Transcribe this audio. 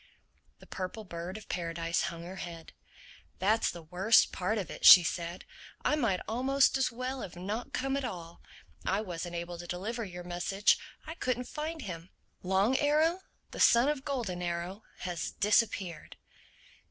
The Purple Bird of Paradise hung her head. "That's the worst part of it," she said. "I might almost as well have not come at all. I wasn't able to deliver your message. I couldn't find him. _Long Arrow, the son of Golden Arrow, has disappeared!